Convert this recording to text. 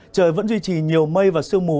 trời vẫn duy trì nhiều mây và sương mù